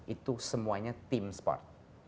itu semuanya tim sport